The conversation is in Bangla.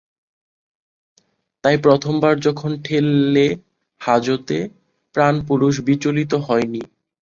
তাই প্রথমবার যখন ঠেললে হাজতে, প্রাণপুরুষ বিচলিত হয় নি।